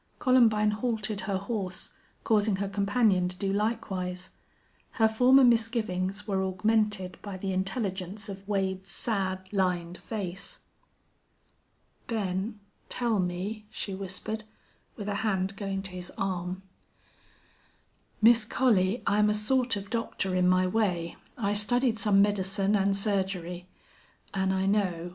Columbine halted her horse, causing her companion to do likewise. Her former misgivings were augmented by the intelligence of Wade's sad, lined face. "Ben, tell me," she whispered, with a hand going to his arm. "Miss Collie, I'm a sort of doctor in my way. I studied some medicine an' surgery. An' I know.